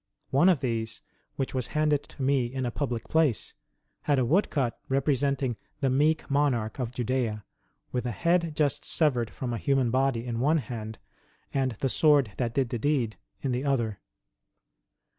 One of these, which was handed to me in a public place, had a woodcut representing the "meek Monarch of Judea," with a head just severed from a human body in one hand, and the sword that did the deed in the other.